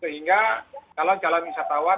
sehingga jalan jalan wisatawan